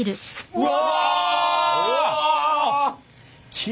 うわ。